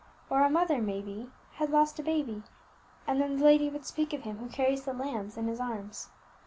Or a mother, may be, had lost a baby; and then the lady would speak of Him who carries the lambs in His arms.